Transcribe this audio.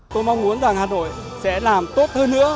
tôi mong muốn rằng hà nội sẽ làm tốt hơn nữa